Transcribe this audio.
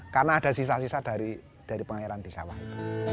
karena ada sisa sisa dari pengairan di sawah itu